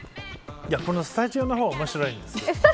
このスタジオの方が面白いんですけど。